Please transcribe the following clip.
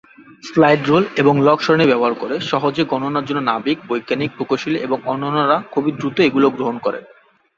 Slide rule এবং log সারণি ব্যবহার করে সহজে গণনার জন্য নাবিক, বৈজ্ঞানিক, প্রকৌশলী এবং অন্যান্যরা খুব দ্রুতই এগুলো গ্রহণ করেন।